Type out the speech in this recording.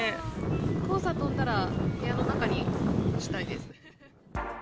黄砂飛んだら、部屋の中に干したいです。